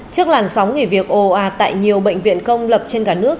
trước làn sóng nghỉ việc o a tại nhiều bệnh viện công lập trên cả nước